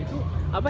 berapa jam seharian